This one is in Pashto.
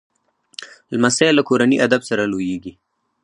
لمسی له کورني ادب سره لویېږي